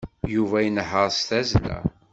Yuba inehheṛ s tazzla.